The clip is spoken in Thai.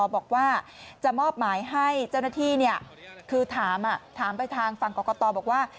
บอกว่าจะมอบหมายให้เจ้าหน้าที่คือถามไปทางฝั่งกรกตบอกว่า